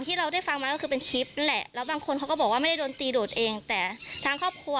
ที่เกี่ยวข้องนะคะ